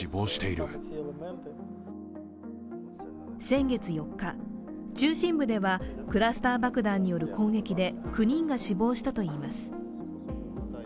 先月４日、中心部ではクラスター爆弾による攻撃で９人が死亡したといいます。